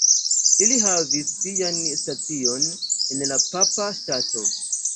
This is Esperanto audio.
Ili havis sian stacion en la Papa Ŝtato.